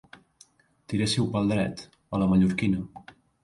Tiréssiu pel dret, a la mallorquina.